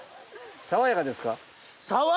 爽やかですか？